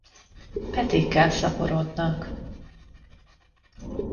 Petékkel szaporodnak.